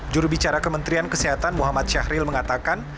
jurubicara kementerian kesehatan muhammad syahril mengatakan